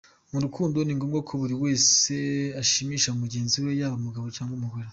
Mu rukundo ni ngombwa ko buri wese ashimisha mugenzi we yaba umugabo cyangwa umugore.